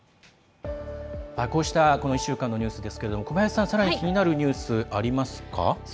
こうしたこの１週間のニュースですが小林さん、さらに気になるニュースありますか？